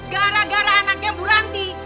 gara gara anaknya bu ranti